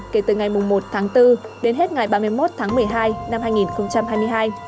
kể từ ngày một tháng bốn đến hết ngày ba mươi một tháng một mươi hai năm hai nghìn hai mươi hai